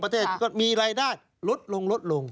ประเทศก็มีรายได้ลดลงลดลง